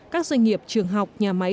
các doanh nghiệp trường học nhà máy